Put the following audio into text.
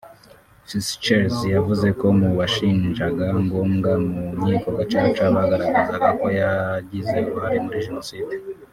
Fischels yavuze ko mu bashinjaga Ngombwa mu nkiko Gacaca bagaragazaga ko yagize uruhare muri Jenoside